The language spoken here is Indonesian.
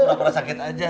ceng kamu pernah sakit saja